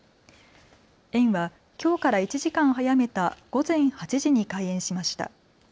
園はきょうから１時間早めた午前８時に開園しました。